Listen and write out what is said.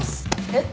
えっ？